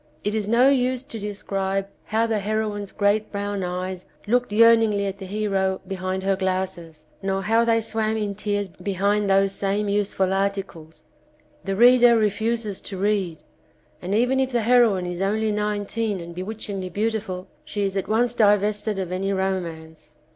It is no use to describe how the heroine's great brown eyes looked yearningly at the hero behind her glasses, nor how they swam in tears behind those same useful articles, the reader refuses to read, and even if the heroine is only nineteen and bewitchingly beautiful, she is at once divested of any romance.